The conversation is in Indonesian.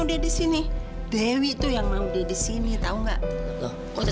tapi ternyata enggak juga